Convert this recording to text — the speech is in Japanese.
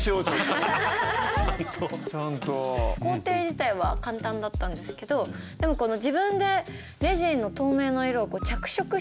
工程自体は簡単だったんですけどでも自分でレジンの透明の色を着色していく。